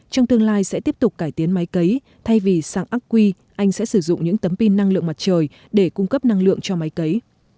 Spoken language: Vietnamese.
trong tương lai sẽ tiếp tục cải tiến máy cấy thay vì sáng ác quy anh sẽ sử dụng những tấm pin năng lượng mặt trời để cung cấp năng lượng cho máy cấy